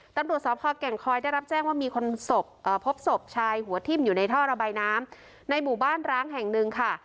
ตำรวจสพแก่งคอยได้รับแจ้งว่ามีคนพบศพชายหัวทิ้มอยู่ในท่อระบายน้ำในหมู่บ้านร้างแห่งหนึ่งค่ะ